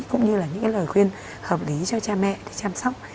cũng như là những cái lời khuyên hợp lý cho cha mẹ để chăm sóc